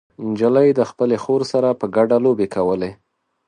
نجلۍ د خپلې خور سره په ګډه لوبې کولې.